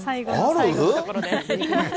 最後のところで。